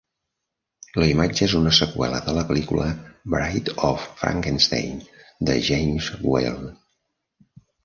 La imatge és una seqüela de la pel·lícula Bride of Frankenstein de James Whale.